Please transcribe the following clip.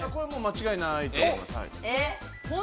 間違いないと思います。